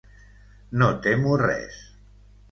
No temo res.